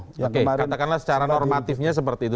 oke katakanlah secara normatifnya seperti itu